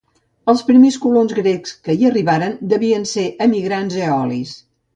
Els primers colons grecs que hi arribaren devien ser emigrants eolis.